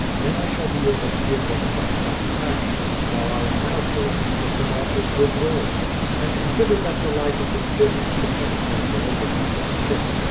Then I shall be able to give them some satisfaction, while I am now forced to put them off with good words. And consider that the life of this business depends on the lading of this ship.